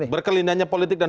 berkelindahnya politik dan